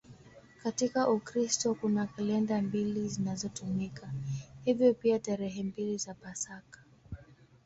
Katika Ukristo kuna kalenda mbili zinazotumika, hivyo pia tarehe mbili za Pasaka.